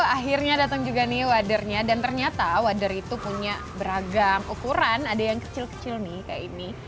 akhirnya datang juga nih waternya dan ternyata water itu punya beragam ukuran ada yang kecil kecil nih kayak ini